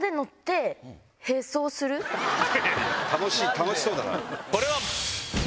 楽しそうだな。